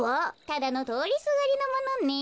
ただのとおりすがりのものね。